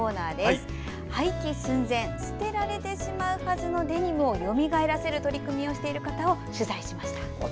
今回は廃棄寸前捨てられるはずだったデニムをよみがえらせる取り組みをしている方を取材しました。